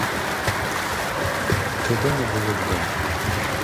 Тебе не було дома.